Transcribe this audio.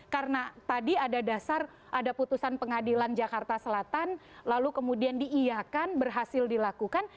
karena tadi ada dasar ada putusan pengadilan jakarta selatan lalu kemudian diiyakan berhasil dilakukan